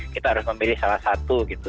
kita harus memilih salah satu gitu